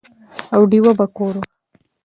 او ډېوه به کور وه،